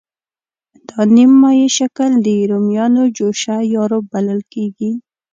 دا نیم مایع شکل د رومیانو جوشه یا روب بلل کېږي.